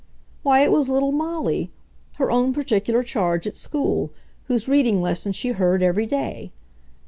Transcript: Why, it was little Molly, her own particular charge at school, whose reading lesson she heard every day.